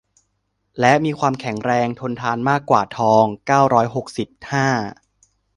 และมีความแข็งแรง ทนทาน มากกว่าทอง เก้าร้อยหกสิบห้า